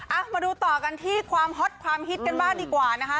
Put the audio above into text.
อ่ะมาดูต่อกันที่ความฮอตความฮิตกันบ้างดีกว่านะคะ